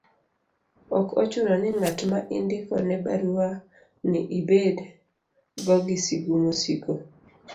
ok ochuno ni ng'at ma indiko ne baruani ibed go gi sigu mosiko